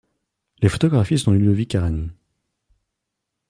Les photographies sont de Ludovic Carême.